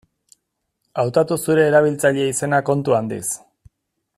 Hautatu zure erabiltzaile-izena kontu handiz.